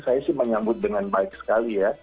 saya sih menyambut dengan baik sekali ya